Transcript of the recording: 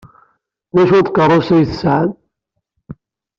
D acu n tkeṛṛust ay tesɛamt?